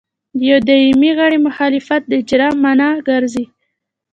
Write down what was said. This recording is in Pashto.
د یوه دایمي غړي مخالفت د اجرا مانع ګرځي.